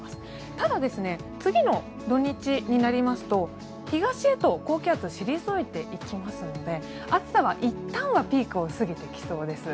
ただ、次の土日になりますと東へと高気圧が退いていきますので暑さはいったんはピークを過ぎてきそうです。